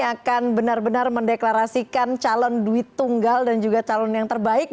akan benar benar mendeklarasikan calon duit tunggal dan juga calon yang terbaik